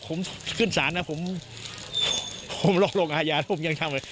ผมขึ้นสารนะผมผมลองโรคอาญาผมยังทำเลย